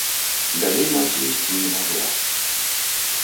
Далей маці ісці не магла.